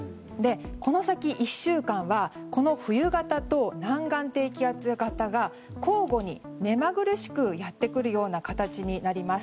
この先１週間は冬型と南岸低気圧型が交互に目まぐるしくやってくるような形になります。